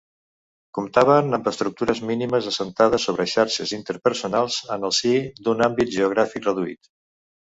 Comptaven amb estructures mínimes, assentades sobre xarxes interpersonals en el si d'un àmbit geogràfic reduït.